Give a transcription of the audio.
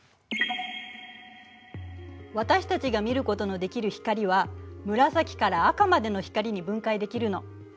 私たちが見ることのできる光は紫から赤までの光に分解できるの。